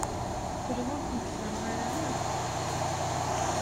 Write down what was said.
Qqleɣ ur kent-ẓerreɣ ara akk.